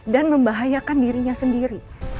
dan membahayakan dirinya sendiri